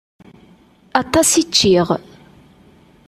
Aṭas i ččiɣ.